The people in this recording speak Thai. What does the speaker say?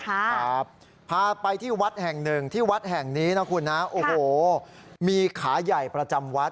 ครับพาไปที่วัดแห่งหนึ่งที่วัดแห่งนี้นะคุณนะโอ้โหมีขาใหญ่ประจำวัด